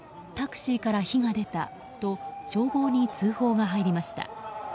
タクシーから火が出たと消防に通報が入りました。